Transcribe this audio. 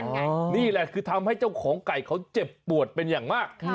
นี่แหละคือทำให้เจ้าของไก่เขาเจ็บปวดเป็นอย่างมาก